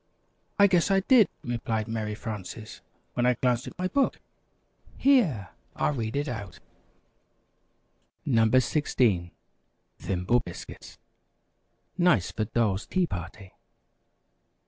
"I guess I did," replied Mary Frances, "when I glanced at my book. Here, I'll read it out: [Illustration: ½ cup milk] NO. 16. THIMBLE BISCUITS. (Nice for Dolls' Tea Party.)